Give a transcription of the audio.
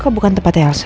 kok bukan tempatnya elsa